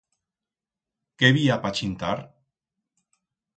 Qué bi ha pa chintar?